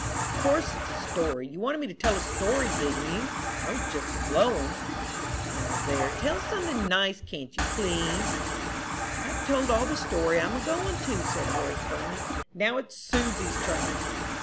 "Of course it's a story. You wanted me to tell a story, didn't you? I was just a blowin'." "Well, there, tell something nice, can't you, please?" "I've told all the story I'm a goin' to," said Horace, firmly. "Now it's Susy's turn."